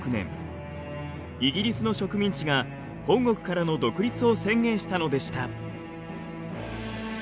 イギリスの植民地が本国からの独立を宣言したのでした。